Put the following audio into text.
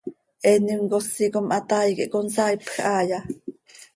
¿Eenim cosi com hataai quih consaaipj haaya?